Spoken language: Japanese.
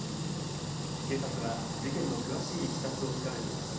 警察は、事件の詳しいいきさつを調べています。